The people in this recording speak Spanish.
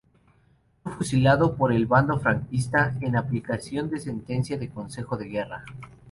Fue fusilado por el bando franquista en aplicación de sentencia de consejo de guerra.